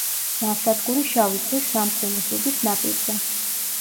ნავსადგური შავი ზღვის სამსუნის უბის ნაპირზე.